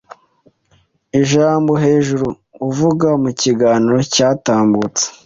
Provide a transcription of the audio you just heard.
Ijambo hejuru uvuga mukiganiro cyatambutse